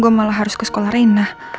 gua malah harus ke sekolah rena